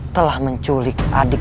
telah menculik adik